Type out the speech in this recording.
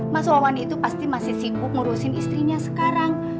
mas wawan itu pasti masih sibuk ngurusin istrinya sekarang